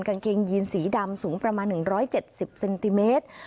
กางเกงยีนสีดำสูงประมาณ๑๗๐เซนติเมตร